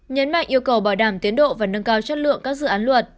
nhấn mạnh yêu cầu bảo đảm tiến độ và nâng cao chất lượng các dự án luật